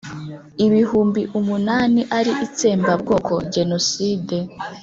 ibihumbi umunani ari itsembabwoko (génocide).